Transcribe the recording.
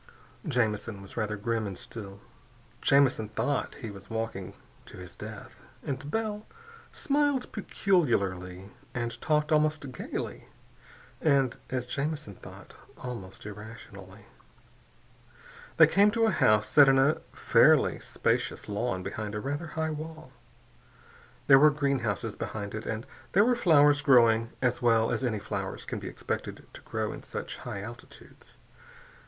Jamison was rather grim and still. Jamison thought he was walking to his death. But Bell smiled peculiarly and talked almost gaily and as Jamison thought almost irrationally. They came to a house set in a fairly spacious lawn behind a rather high wall. There were greenhouses behind it, and there were flowers growing as well as any flowers can be expected to grow in such high altitudes.